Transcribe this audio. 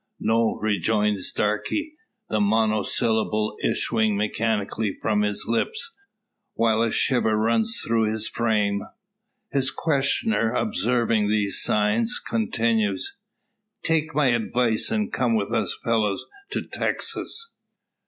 "No," rejoins Darke, the monosyllable issuing mechanically from his lips, while a shiver runs through his frame. His questioner, observing these signs, continues, "T'ike my advice, and come with us fellows to Texas.